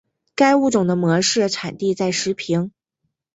该物种的模式产地在石屏。